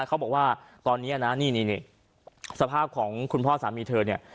เขาบอกว่าตอนนี้นะนี่สภาพของคุณพ่อสามีเธอเนี่ย